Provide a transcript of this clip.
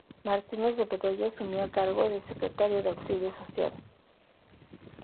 Martínez de Bedoya asumió el cargo de secretario del Auxilio Social.